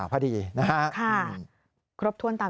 พอดีนะครับ